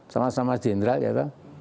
sama sama jenderal ya kan